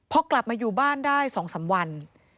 พอกลับมาอยู่บ้านได้๒๓วัน